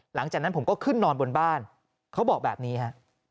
หลังจากนั้นผมก็ขึ้นนอนบนบ้านเขาบอกแบบนี้ฮะ